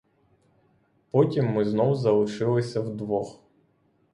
Потім ми знов залишилися вдвох.